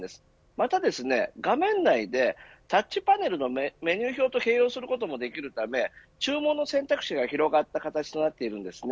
また、画面内でタッチパネルのメニュー表と併用することもできるため注文の選択肢が広がった形となっているんです。